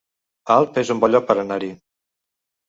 Alp es un bon lloc per anar-hi